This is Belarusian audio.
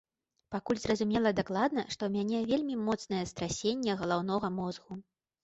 Пакуль зразумела дакладна, што ў мяне вельмі моцнае страсенне галаўнога мозгу.